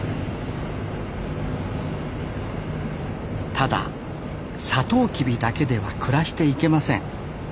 ただサトウキビだけでは暮らしていけません。